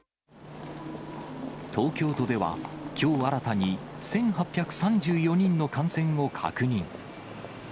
東京都では、きょう新たに１８３４人の感染を確認。